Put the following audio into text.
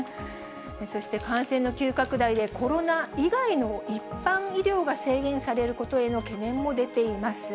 そして感染の急拡大で、コロナ以外の一般医療が制限されることへの懸念も出ています。